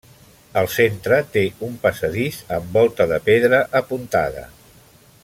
El centre té un passadís amb volta de pedra apuntada.